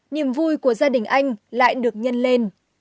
niềm vui của gia đình anh lại được nhân lên